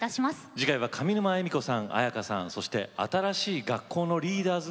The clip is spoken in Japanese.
次回は上沼恵美子さん絢香さんそして新しい学校のリーダーズが登場します。